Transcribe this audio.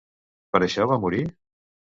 Per això va morir?